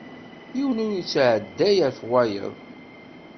Yiwen ur yetɛedday ɣef wayeḍ.